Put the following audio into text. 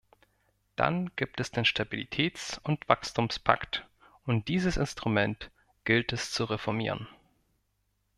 Dann gibt es den Stabilitätsund Wachstumspakt, und dieses Instrument gilt es zu reformieren.